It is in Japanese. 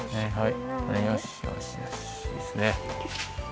はい！